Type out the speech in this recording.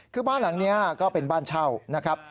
คือบ้านหลังนี้ก็เป็นบ้านเช่านะครับ